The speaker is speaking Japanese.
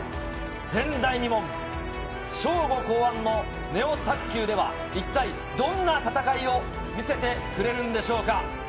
前代未聞省吾考案のネオ卓球では一体、どんな戦いを見せてくれるんでしょうか。